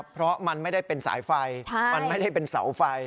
เพราะมันไม่ได้เป็นสายไฟมันไม่ได้เป็นเสาไฟ